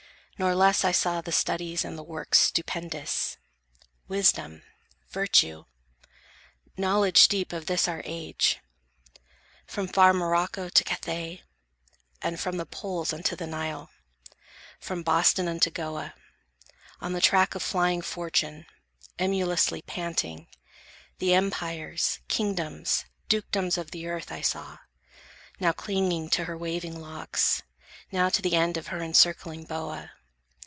Nor less I saw the studies and the works Stupendous, wisdom, virtue, knowledge deep Of this our age. From far Morocco to Cathay, and from the Poles unto the Nile, From Boston unto Goa, on the track Of flying Fortune, emulously panting, The empires, kingdoms, dukedoms of the earth I saw, now clinging to her waving locks, Now to the end of her encircling boa.